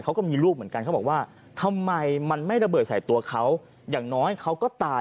เขาก็มีลูกเหมือนกันเขาบอกว่าทำไมมันไม่ระเบิดใส่ตัวเขา